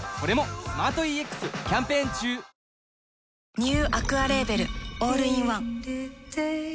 ニューアクアレーベルオールインワンえーっとナミです。